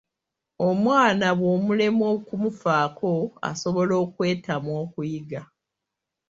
Omwana bw'olemwa okumufaako asobola okwetamwa okuyiga.